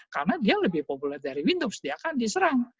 karena dia lebih populer dari windows dia akan diserang